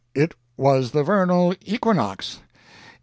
"It was the Vernal Equinox."